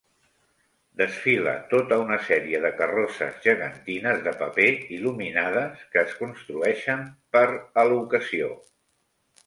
Desfila tota una sèrie de carrosses gegantines de paper il·luminades que es construeixen per a l'ocasió.